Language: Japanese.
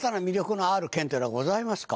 っていうのはございますか？